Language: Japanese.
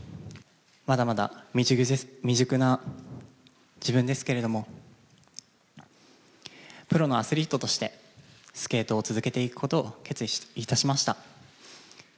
まだまだ未熟な自分ですけれども、プロのアスリートとしてスケートを続けていくことを決意いたしました。